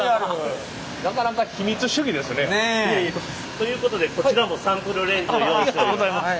ということでこちらもサンプルレンズを用意しております。